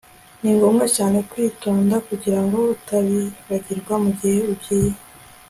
Ni ngombwa cyane kwitonda kugirango utabibagirwa mugihe ugiye